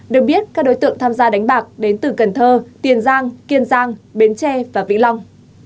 được biết các đối tượng tham gia đánh bạc đến từ cần thơ tiền giang kiên giang bến tre và vĩnh long